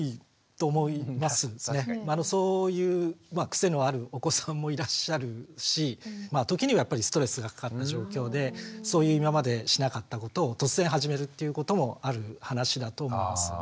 そういうまあ癖のあるお子さんもいらっしゃるし時にはやっぱりストレスがかかった状況でそういう今までしなかったことを突然始めるっていうこともある話だと思います。